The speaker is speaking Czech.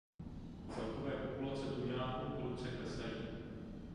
Celkové populace tuňáků prudce klesají.